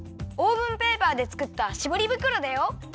オーブンペーパーでつくったしぼり袋だよ。